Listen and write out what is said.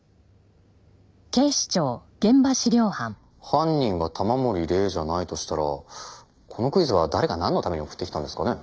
犯人が玉森玲じゃないとしたらこのクイズは誰がなんのために送ってきたんですかね？